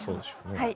はい。